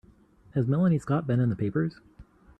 Has Melanie Scott been in the papers?